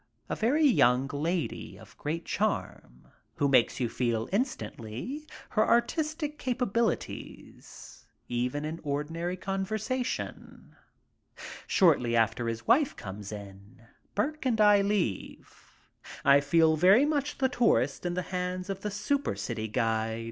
A very young lady of great charm, who makes you feel in stantly her artistic capabilities even in ordinary conver sation. Shortly after his wife comes in Burke and I leave, I feeling very much the tourist in the hands of the supercity guide.